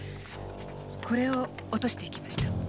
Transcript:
これを落としていきました。